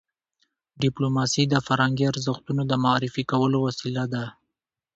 ډيپلوماسي د فرهنګي ارزښتونو د معرفي کولو وسیله ده.